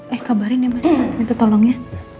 eh kabarin ya minta tolongnya